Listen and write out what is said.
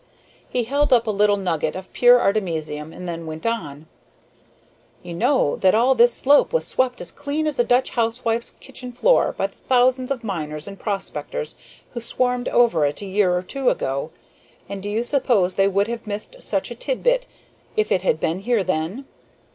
He held up a little nugget of pure artemisium, and then went on: "You know that all this slope was swept as clean as a Dutch housewife's kitchen floor by the thousands of miners and prospectors who swarmed over it a year or two ago, and do you suppose they would have missed such a tidbit if it had been here then?"